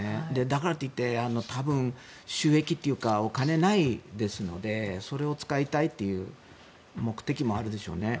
だからといって多分、収益というかお金、ないですのでそれを使いたいという目的もあるでしょうね。